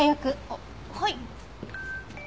あっはい。